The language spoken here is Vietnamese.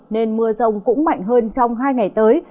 nên mưa rông cũng mạnh hơn trong hai ngày tới